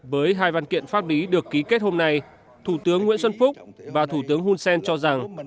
với hai văn kiện pháp lý được ký kết hôm nay thủ tướng nguyễn xuân phúc và thủ tướng hun sen cho rằng